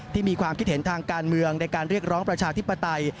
มีความคิดเห็นทางการเมืองในการเรียกร้องประชาธิปไตย